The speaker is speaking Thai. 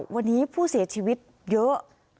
วันนี้ผู้เสียชีวิตเยอะ